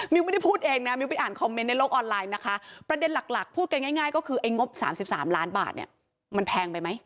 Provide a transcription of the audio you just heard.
ไม่ได้พูดเองนะมิ้วไปอ่านคอมเมนต์ในโลกออนไลน์นะคะประเด็นหลักพูดกันง่ายก็คือไอ้งบ๓๓ล้านบาทเนี่ยมันแพงไปไหม